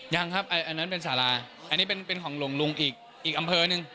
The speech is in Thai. ยังครับอันนั้นเป็นสาราอันนี้เป็นของหลวงลุงอีกอำเภอหนึ่ง